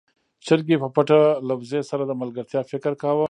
چرګې په پټه له وزې سره د ملګرتيا فکر کاوه.